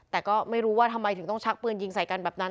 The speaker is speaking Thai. แต่ก็ไม่รู้ว่าทำไมถึงต้องชักปืนยิงใส่กันแบบนั้น